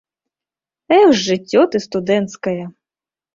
Эх, жыццё ты студэнцкае!